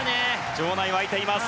場内、沸いています。